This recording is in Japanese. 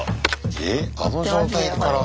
えっあの状態から。